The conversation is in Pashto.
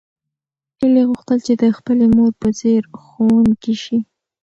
هیلې غوښتل چې د خپلې مور په څېر ښوونکې شي.